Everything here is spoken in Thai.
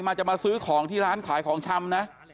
จะมาซื้อของที่ร้านขายของชำนะ